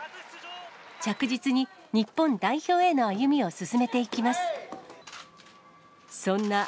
着実に日本代表への歩みを進めていきます。